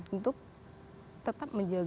untuk tetap menjelaskan